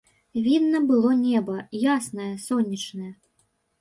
Відно было неба, яснае, сонечнае.